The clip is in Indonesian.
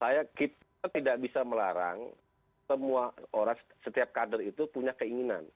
saya kita tidak bisa melarang semua orang setiap kader itu punya keinginan